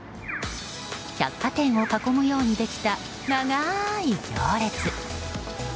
百貨店を囲むようにできた長い行列。